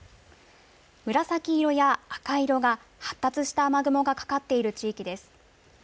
紫色や赤色が発達した雨雲がかかっている地域です。